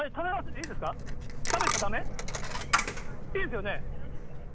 いいですよね？